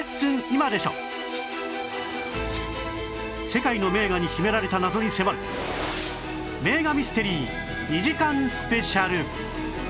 世界の名画に秘められた謎に迫る名画ミステリー２時間スペシャル